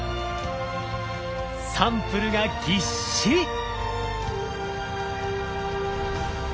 サンプルがぎっしり。